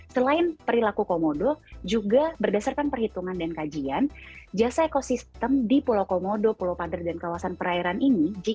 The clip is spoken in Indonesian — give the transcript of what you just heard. selain perilaku komodo juga berdasarkan perhitungan dan kajian jasa ekosistem di pulau komodo pulau pader dan kawasan komodo juga berdasarkan perhitungan dan kajian